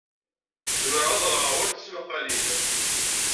Zemreɣ ad ɣreɣ war tismaqalin.